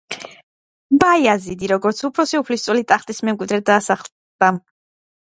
ბაიაზიდი, როგორც უფროსი უფლისწული ტახტის მემკვიდრედ დასახელდა.